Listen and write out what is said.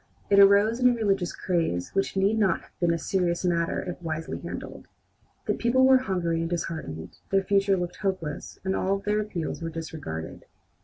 It arose in a religious craze which need not have been a serious matter if wisely handled. The people were hungry and disheartened, their future looked hopeless, and all their appeals were disregarded.